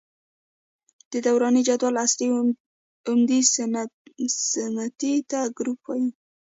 د دوراني جدول هرې عمودي ستنې ته ګروپ وايي.